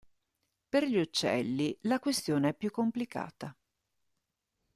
Per gli uccelli la questione è più complicata.